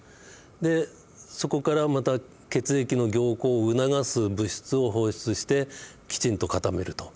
でそこからまた血液の凝固を促す物質を放出してきちんと固めると。